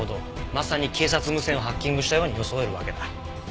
まさに警察無線をハッキングしたように装えるわけだ。